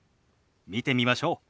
見てみましょう。